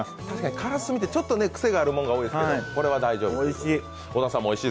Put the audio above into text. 確かにからすみってちょっとくせのあるものが多いですけど、これは大丈夫？